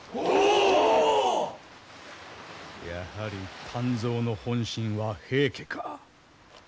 やはり湛増の本心は平家か。